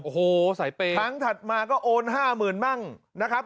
โอ้โหสายเปย์ครั้งถัดมาก็โอนห้าหมื่นมั่งนะครับ